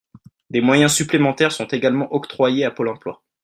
Des moyens supplémentaires sont également octroyés à Pôle emploi.